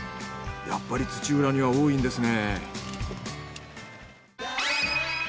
やっぱり土浦には多いんですね。